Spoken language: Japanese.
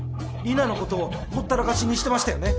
里奈のことをほったらかしにしてましたよね